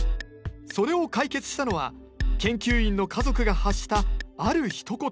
それを解決したのは研究員の家族が発したあるひと言だった。